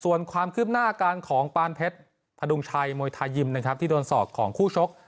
ส่วนความคืบหน้าการของปานเพชรพดุงชัยมวยไทยยิมนะครับที่โดนศอกของคู่ชก